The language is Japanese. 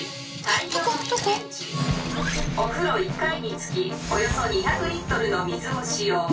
「おふろ１回につきおよそ２００リットルの水を使用。